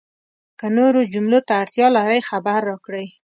که نورو جملو ته اړتیا لرئ، خبر راکړئ!